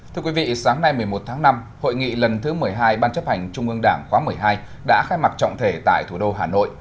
thưa quý vị sáng nay một mươi một tháng năm hội nghị lần thứ một mươi hai ban chấp hành trung ương đảng khóa một mươi hai đã khai mạc trọng thể tại thủ đô hà nội